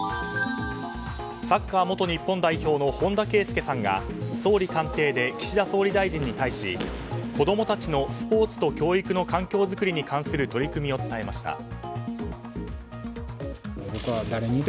サッカー元日本代表の本田圭佑さんが総理官邸で岸田総理大臣に対し子供たちのスポーツと教育の環境作りに関する取り組みを伝えました。